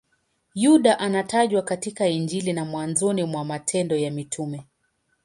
Yuda anatajwa katika Injili na mwanzoni mwa Matendo ya Mitume.